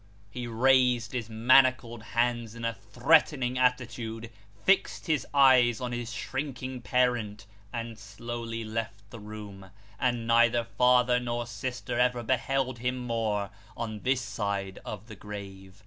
He raised his manacled hands in a threatening attitude, fixed his eyes on his shrinking parent, and slowly left the room ; and neither father nor sister ever beheld him more, on this side of the grave.